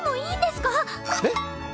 えっ？